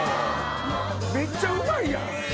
めっちゃうまいやん！